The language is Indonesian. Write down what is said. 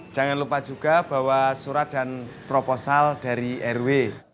jangan lupa juga bawa surat dan proposal dari rw